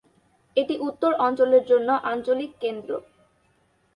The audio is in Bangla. এটি উত্তর অঞ্চলের জন্য আঞ্চলিক কেন্দ্র।